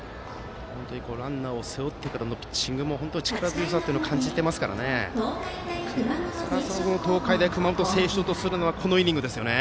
ランナーを背負ってからのピッチングも本当に力強さを感じていますから東海大熊本星翔とすればこのイニングですよね。